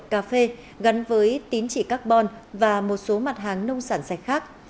cà phê gắn với tín chỉ carbon và một số mặt hàng nông sản sạch khác